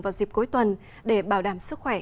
vào dịp cuối tuần để bảo đảm sức khỏe